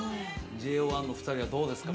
ＪＯ１の２人はどうですか？